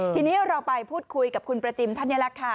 ทีนี้เราไปพูดคุยกับคุณประจิมท่านนี้แหละค่ะ